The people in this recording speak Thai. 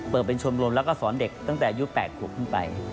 เปิดเป็นชมรมแล้วก็สอนเด็กตั้งแต่อายุ๘ขวบขึ้นไป